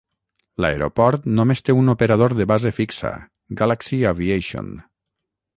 L'aeroport només té un operador de base fixa, Galaxy Aviation.